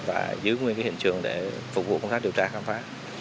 và giữ nguyên cái hiện trường để phục vụ công sát điều tra khám phá